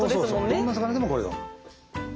どんな魚でもこれを。